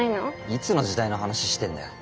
いつの時代の話してんだよ。